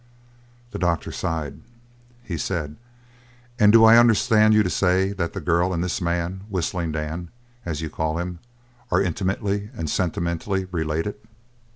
The doctor sighed. He said: "And do I understand you to say that the girl and this man Whistling Dan, as you call him are intimately and sentimentally related?"